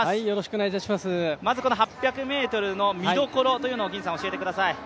まず８００ｍの見どころを教えてください。